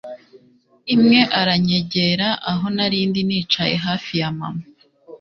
imwe aranyegera aho narindi nicaye hafi ya mama